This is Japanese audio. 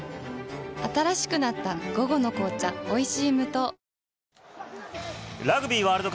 新しくなった「午後の紅茶おいしい無糖」